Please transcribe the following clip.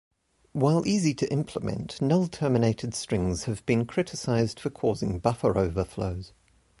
While easy to implement, null terminated strings have been criticized for causing buffer overflows.